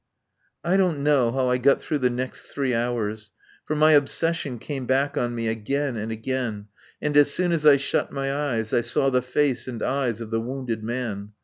I don't know how I got through the next three hours, for my obsession came back on me again and again, and as soon as I shut my eyes I saw the face and eyes of the wounded man.